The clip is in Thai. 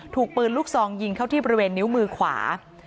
ถูกปืนลูกซองยิงเข้าที่บริเวณนิ้วมือขวา